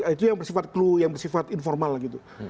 itu yang bersifat clue yang bersifat informal gitu